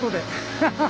ハハハッ。